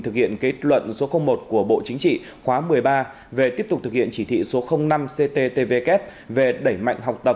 thực hiện kết luận số một của bộ chính trị khóa một mươi ba về tiếp tục thực hiện chỉ thị số năm cttvk về đẩy mạnh học tập